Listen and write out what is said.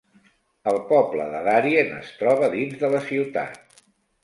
El poble de Darien es troba dins de la ciutat.